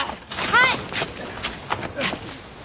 はい。